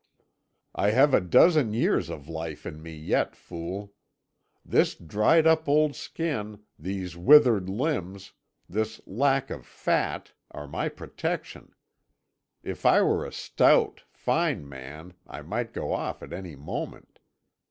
"I have a dozen years of life in me yet, fool. This dried up old skin, these withered limbs, this lack of fat, are my protection. If I were a stout, fine man I might go off at any moment.